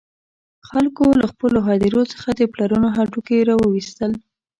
خلکو له خپلو هدیرو څخه د پلرونو هډوکي را وویستل.